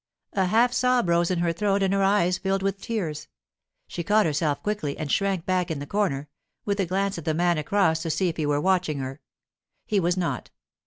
A half sob rose in her throat and her eyes filled with tears. She caught herself quickly and shrank back in the corner, with a glance at the man across to see if he were watching her. He was not.